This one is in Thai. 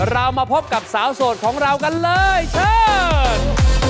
เรามาพบกับสาวโสดของเรากันเลยเชิญ